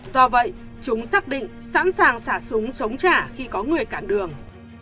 do vậy chúng xác định sẵn sàng xả súng chống trả khi có người cản đường